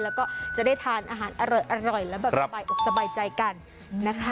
แล้วก็จะได้ทานอาหารอร่อยแล้วแบบสบายอกสบายใจกันนะคะ